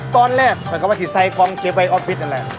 ตอนแรกแต่ก็ว่าที่ใส่คลองเจ็บไว้ออฟฟิศนั่นแหละ